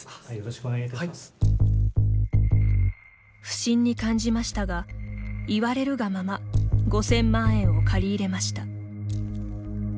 不審に感じましたが言われるがまま５０００万円を借り入れました。